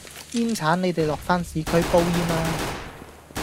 煙剷你哋落返市區煲煙啦